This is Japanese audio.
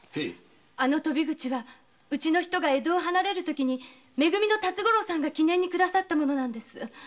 あの鳶口はうちの人が江戸を離れるときに辰五郎さんが記念にくださったもの。